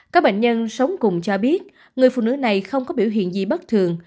các bệnh nhân sống cùng cho biết người phụ nữ này không có biểu hiện gì bất thường